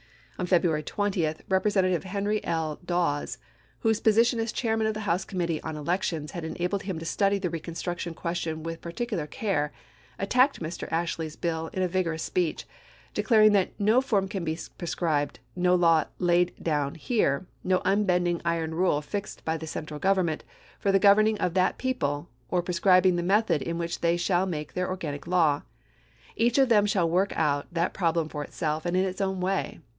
On February 20, Rep resentative Henry L. Dawes, whose position as Chairman of the House Committee on Elections had enabled him to study the reconstruction ques tion with particular care, attacked Mr. Ashley's bill in a vigorous speech, declaring that " no form can be prescribed, no law laid down here, no unbending iron rule fixed by the central Govern ment for the governing of that people, or prescrib ing the method in which they shall make their organic law. Each of them shall work out that problem for itself and in its own way.